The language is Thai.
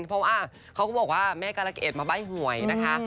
เพราะว่าเขาก็บอกว่าแม่การะเกดมาใบ้หวยนะคะ